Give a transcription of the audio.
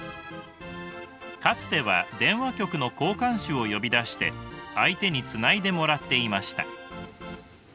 かつては電話局の交換手を呼び出して相手につないでもらっていました。